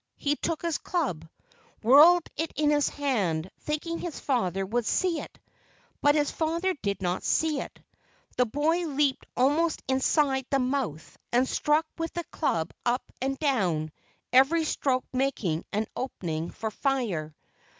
He took his club, whirled it in his hand, thinking his father would see it, but his father did not see it. The boy leaped almost inside the mouth and struck with the club up and down, every stroke making an opening for fire.